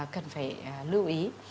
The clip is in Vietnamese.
cần phải lưu ý